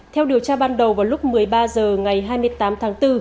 theo điều tra ban đầu vào lúc một mươi ba h ngày hai mươi tám tháng bốn